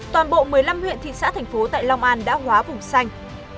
toàn bộ một mươi năm huyện thị xã thành phố tại long an đã hóa vùng xanh